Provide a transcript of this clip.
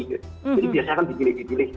jadi biasanya kan digulih gulih